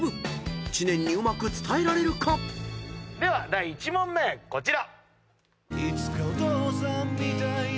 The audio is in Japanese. ［知念にうまく伝えられるか］では第１問目こちら。